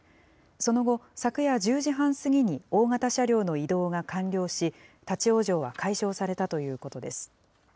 その後、昨夜１０時半過ぎに大型車両の移動が完了し、立往生は解消されたということです。